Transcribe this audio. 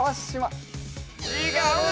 違う！